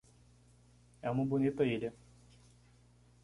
É uma bonita ilha.